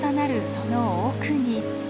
その奥に。